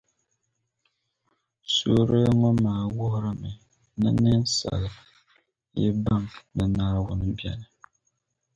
Suurili ŋɔ maa wuhirimi ni ninsala yi baŋ ni Naawuni beni.